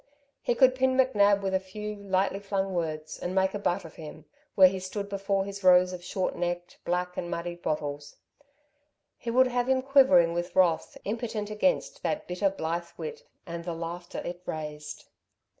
He could pin McNab with a few, lightly flung words and make a butt of him, where he stood before his rows of short necked, black and muddied bottles. He would have him quivering with wrath, impotent against that bitter, blithe wit and the laughter it raised.